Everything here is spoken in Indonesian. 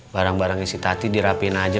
barang barang isi tati dirapiin aja